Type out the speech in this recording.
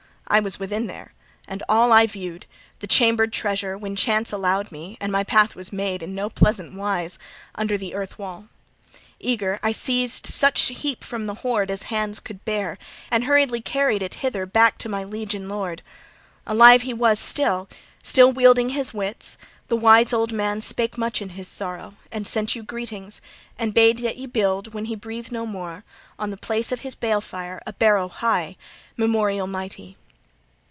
I was within there, and all I viewed, the chambered treasure, when chance allowed me (and my path was made in no pleasant wise) under the earth wall. Eager, I seized such heap from the hoard as hands could bear and hurriedly carried it hither back to my liege and lord. Alive was he still, still wielding his wits. The wise old man spake much in his sorrow, and sent you greetings and bade that ye build, when he breathed no more, on the place of his balefire a barrow high, memorial mighty.